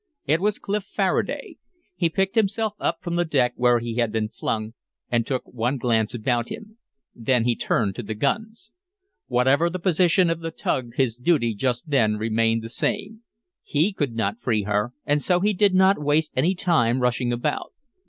It was Clif Faraday; he picked himself up from the deck where he had been flung and took one glance about him. Then he turned to the guns. Whatever the position of the tug his duty just then remained the same. He could not free her, and so he did not waste any time rushing about.